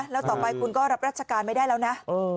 แล้วต่อไปคุณก็รับราชการไม่ได้แล้วนะ